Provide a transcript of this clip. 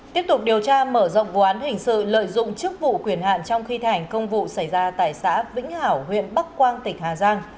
tiếp tục điều tra mở rộng vụ án hình sự lợi dụng chức vụ quyền hạn trong khi thành công vụ xảy ra tại xã vĩnh hảo huyện bắc quang tỉnh hà giang